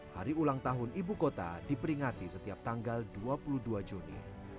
hari ulang tahun ibu kota diperingati setiap tanggal dua puluh dua juni